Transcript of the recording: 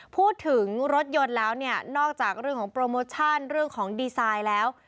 พูดถึงรถยนต์แล้วเนี่ยนอกจากเรื่องของโปรโมชั่นเรื่องของดีไซน์แล้ว